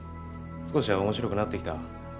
少しは面白くなってきた？